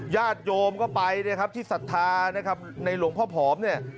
ญาติโยมก็ไปนะครับที่ศรัทธานะครับในหลวงพ่อผอมเนี่ย